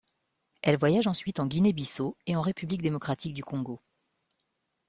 Elle voyage ensuite en Guinée-Bissau et en République démocratique du Congo.